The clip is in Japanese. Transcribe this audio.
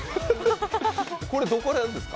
これ、どこでやるんですか？